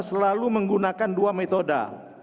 selalu menggunakan dua metode